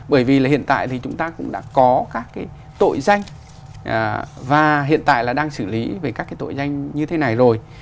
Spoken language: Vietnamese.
bởi vì là hiện tại thì chúng ta cũng đã có các cái tội danh và hiện tại là đang xử lý về các cái tội danh như thế này rồi